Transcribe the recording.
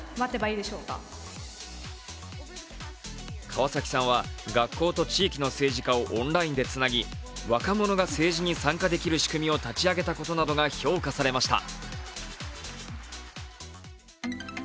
川崎さんは、学校と地域の政治家をオンラインでつなぎ、若者が政治に参加できる仕組みを立ち上げたことなどが評価されました。